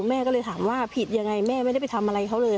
แม่ก็เลยถามว่าผิดยังไงแม่ไม่ได้ไปทำอะไรเขาเลย